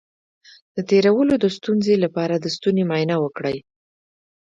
د تیرولو د ستونزې لپاره د ستوني معاینه وکړئ